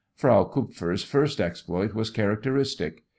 Frau Kupfer's first exploit was characteristic.